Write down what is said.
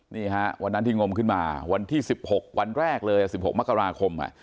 นี่ฮะวันนั้นที่งมขึ้นมาวันที่๑๖วันแรกเลย๑๖มกราคม